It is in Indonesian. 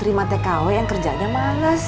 kalau mau terima tkw yang kerjanya males